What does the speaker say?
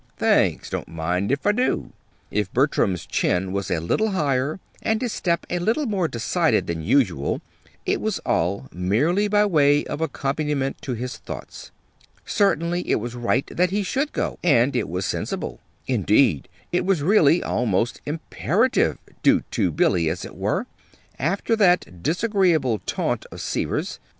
"Thanks. Don't mind if I do." If Bertram's chin was a little higher and his step a little more decided than usual, it was all merely by way of accompaniment to his thoughts. Certainly it was right that he should go, and it was sensible. Indeed, it was really almost imperative due to Billy, as it were after that disagreeable taunt of Seaver's.